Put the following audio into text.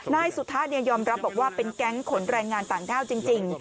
นายสุธะยอมรับบอกว่าเป็นแก๊งขนแรงงานต่างด้าวจริง